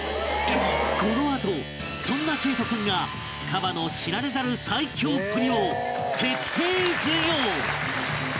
このあとそんな圭斗君がカバの知られざる最恐っぷりを徹底授業！